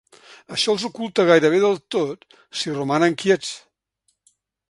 Això els oculta gairebé del tot si romanen quiets.